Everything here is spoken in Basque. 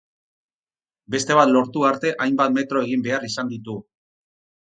Beste bat lortu arte hainbat metro egin behar izan ditu.